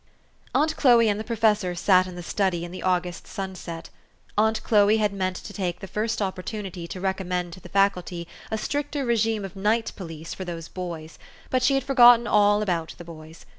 Aunt Chloe and the professor sat in the study in the August sunset. Aunt Chloe had meant to take the first opportunity to recommend to the Faculty a stricter regime of night police for those boys ; but she had forgotten all about the boys.